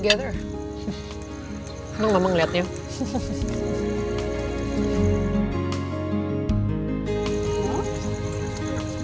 gue udah nunggu lo bertahun tahun cek